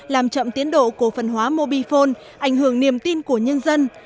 làm chậm tiến độ cổ phần hóa mobifone ảnh hưởng niềm tin của nhân dân